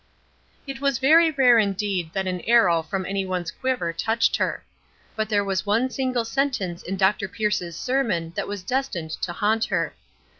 It was very rare indeed that an arrow from any one's quiver touched her. But there was one single sentence in Dr. Pierce's sermon that was destined to haunt her.